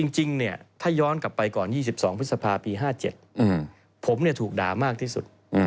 จริงถ้าย้อนกลับไปก่อน๒๒พฤษภาปี๕๗ผมถูกด่ามากที่สุด